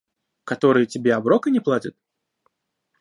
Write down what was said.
Которые тебе оброка не платят?